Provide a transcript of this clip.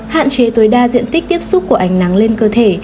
hạn chế tối đa diện tích tiếp xúc của ánh nắng lên cơ thể